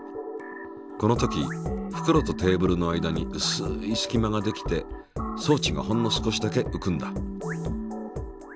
このときふくろとテーブルの間にうすい隙間ができて装置がほんの少しだけうくんだ。